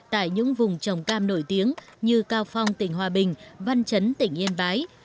tại những vùng trồng cam nổi tiếng như cao phong tỉnh hòa bình văn chấn tỉnh yên bái